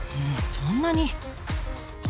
そんなに！